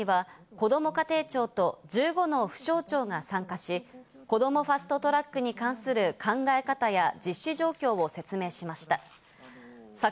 昨日の会議にはこども家庭庁と１５の府省庁が参加し、こどもファスト・トラックに関する考え方や実施状況を説明しました。